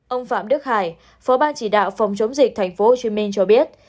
ông phạm đức hải phó ban chỉ đạo phòng chống dịch tp hcm cho biết